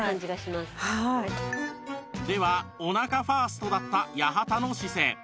ではおなかファーストだった八幡の姿勢